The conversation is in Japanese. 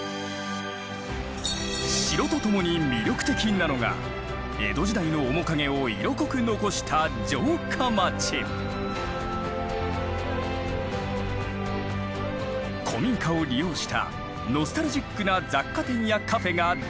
城とともに魅力的なのが江戸時代の面影を色濃く残した古民家を利用したノスタルジックな雑貨店やカフェが大人気なのだ。